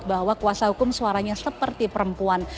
bahwa kuasa hukum suaranya seperti perempuan